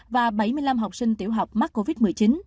và bảy mươi năm học sinh tiểu học mắc covid một mươi chín